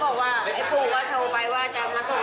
แล้วพ่อเลี้ยงก็มาอ้างว่าจะพาเด็กไปสมุทรสาคร